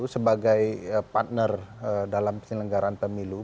sebagai partner dalam penyelenggaraan pemilu